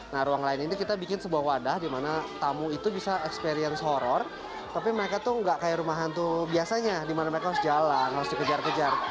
nah ruang lain ini kita bikin sebuah wadah di mana tamu itu bisa experience horror tapi mereka tuh nggak kayak rumah hantu biasanya di mana mereka harus jalan harus dikejar kejar